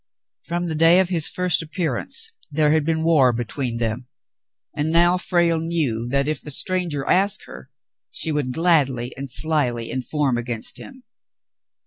From the day of his first appearance there had been war between them, and now Frale knew that if the stranger asked her, she would gladly and slyly inform against him.